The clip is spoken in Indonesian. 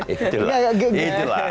itu lah itu lah